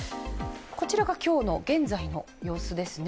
こちらが今日、現在の様子ですね。